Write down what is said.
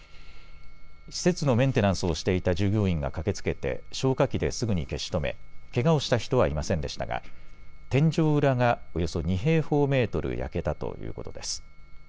施設のメンテナンスをしていた従業員が駆けつけて消火器ですぐに消し止めけがをした人はいませんでしたが天井裏がおよそ２平方メートル焼けたということです。